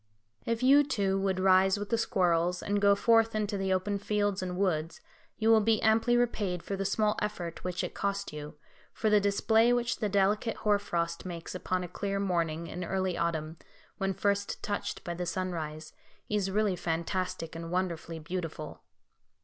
If you too, would rise with the squirrels, and go forth into the open fields and woods, you will be amply repaid for the small effort which it cost you, for the display which the delicate hoar frost makes upon a clear morning in early autumn, when first touched by the sunrise, is really fantastic and wonderfully beautiful.